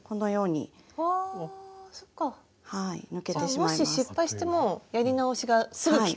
もし失敗してもやり直しがすぐきく？